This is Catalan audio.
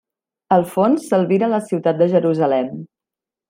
Al fons s'albira la ciutat de Jerusalem.